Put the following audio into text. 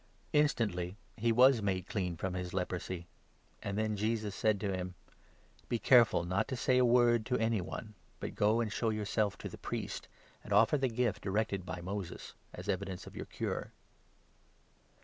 55 Instantly he was made clean from his leprosy ; and then Jesus 4 said to him :" Be careful not to say a word to any one, but go and show yourself to the Priest, and offer the gift directed by Moses, as evidence of your cure."